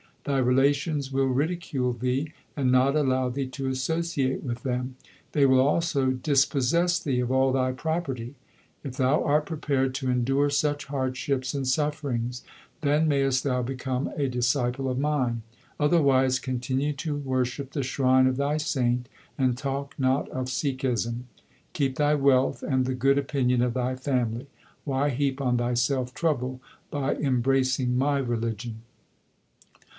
Thy relations will ridicule thee, and not allow thee to associate with them. They will also 8 THE SIKH RELIGION dispossess thee of all thy property. If thou art prepared to endure such hardships and sufferings, then mayest thou become a disciple of mine. Other wise continue to worship the shrine of thy saint and talk not of Sikhism. Keep thy wealth, and the good opinion of thy family. Why heap on thyself trouble by embracing my religion